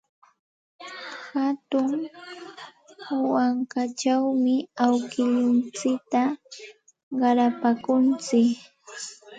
Hatun wankachawmi awkilluntsikta qarapaakuntsik.